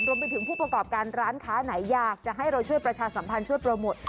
ผู้ประกอบการร้านค้าไหนอยากจะให้เราช่วยประชาสัมพันธ์ช่วยโปรโมท